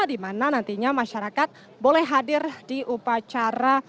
dimana nantinya masyarakat boleh hadir di upacara